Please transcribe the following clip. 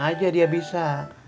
yakin aja dia bisa